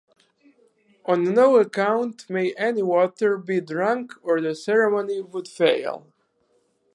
On no account may any water be drunk, or the ceremony would fail.